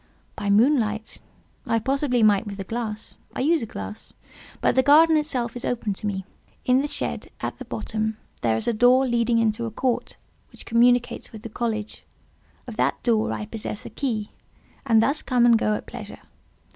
"By moonlight I possibly might with a glass—I use a glass—but the garden itself is open to me. In the shed, at the bottom, there is a door leading into a court, which communicates with the college; of that door I possess the key, and thus come and go at pleasure.